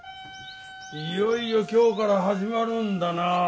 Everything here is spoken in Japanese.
いよいよ今日から始まるんだな。